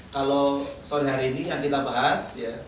kalau sore hari ini yang kita bahas